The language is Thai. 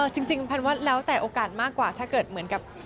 แพนว่าแล้วแต่โอกาสมากกว่าถ้าเกิดเหมือนกับ